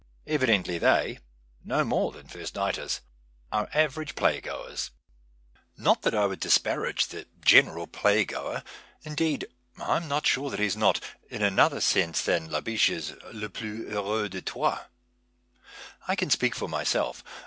Evidently they, no more than first nighters, are average plaj'goers. Not that I would disparage the general playgoer. Indeed, I am not sure that he is not, in another sense than Labiehc's, le pluft hcureux ties trois. I can speak for myself.